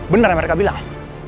bener yang mereka bilang